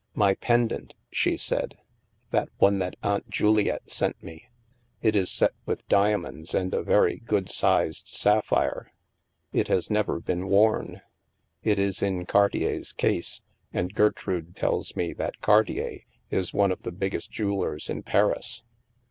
" My pendant," she said. " That one that Aunt Juliette sent me. It is set with diamonds and a very good sized sapphire. It has never been worn. It is in Cartier's case, and Gertrude tells me that Car tier is one of the biggest jewellers in Paris.